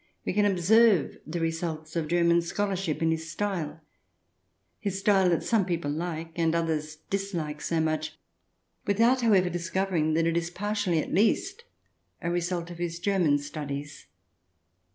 We can observe the results of German scholarship in his style — his style that some people like and others dislike so much, without, however, discovering that it is, partially at least, a result of his German studies.